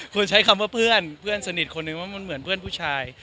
คุณใช้คำว่าเพื่อนเพื่อนสนิทคนนึงว่ามันเหมือนเพื่อนผู้ชาย